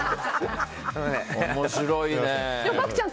面白いね。